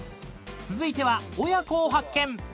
［続いては親子を発見］